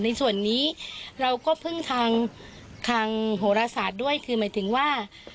ในส่วนนี้เราก็พึ่งทางทางโหรศาสตร์ด้วยคือหมายถึงว่า